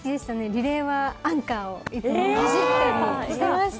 リレーはアンカーをいつも走ったりしてました。